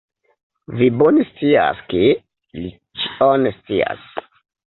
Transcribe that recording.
Vi bone scias, ke li ĉion scias.